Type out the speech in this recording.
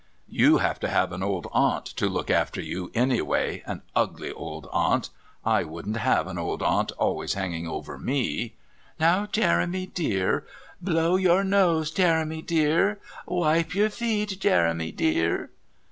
"You have to have an old aunt to look after you anyway an ugly old aunt. I wouldn't have an old aunt always hanging over me 'Now, Jeremy dear ' 'Blow your nose, Jeremy dear ' 'Wipe your feet, Jeremy dear.'